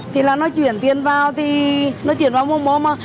thì là nó chuyển tiền vào thì nó chuyển vào mô mô mà